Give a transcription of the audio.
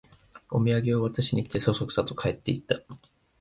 おみやげを渡しに来て、そそくさと帰っていった